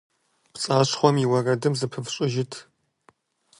ПцӀащхъуэм и уэрэдым зыпыфщӀыжыт.